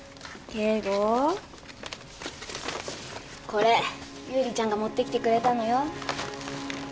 これ優里ちゃんが持ってきてくれたのよ。